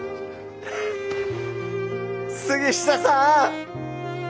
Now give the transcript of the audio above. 杉下さん！